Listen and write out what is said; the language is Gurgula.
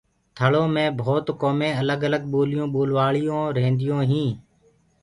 ٿݪو مي ڀوتَ ڪومين الگ الگ ٻوليون ٻولوآݪآ ريهندآئين